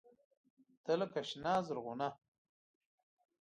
تۀ لکه “شنه زرغونه”